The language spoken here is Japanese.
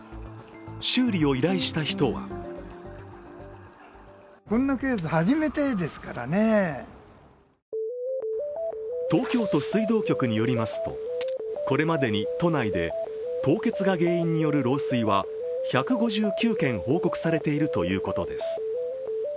修理を依頼した人は東京都水道局によりますと、これまでに都内で凍結が原因による漏水は１５９件報告されているということです。